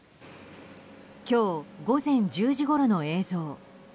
今日午前１０時ごろの映像。